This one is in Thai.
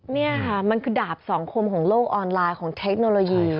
นี่ค่ะมันคือดาบสองคมของโลกออนไลน์ของเทคโนโลยี